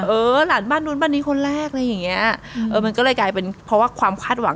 เออหลานบ้านนู้นบ้านนี้คนแรกอะไรอย่างเงี้ยเออมันก็เลยกลายเป็นเพราะว่าความคาดหวัง